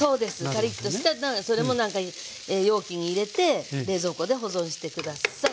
カリっとしたらそれもなんか容器に入れて冷蔵庫で保存して下さい。